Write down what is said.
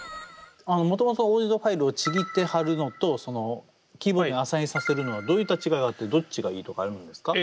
もともとオーディオファイルをちぎって貼るのとキーボードにアサインさせるのはどういった違いがあってどっちがいいとかあるんですか？